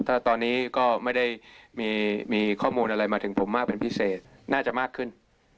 ถ้าตอนนี้ก็ไม่ได้มีข้อมูลอะไรมาถึงผมมากเป็นพิเศษน่าจะมากขึ้น